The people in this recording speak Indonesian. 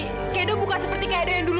kayaknya bukan seperti kayaknya yang dulu